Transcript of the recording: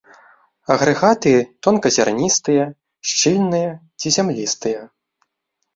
Агрэгаты тонказярністыя, шчыльныя ці зямлістыя.